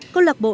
câu lạc bộ